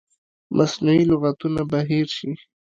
مصنوعي لغتونه به هیر شي.